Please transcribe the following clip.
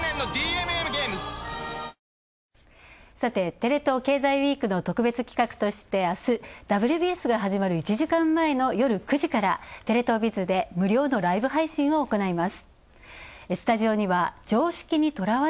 テレ東経済ウィーク特別企画としてあす「ＷＢＳ」が始まる１時間前の夜９時から「テレ東ＢＩＺ」で無料のライブ配信を行います。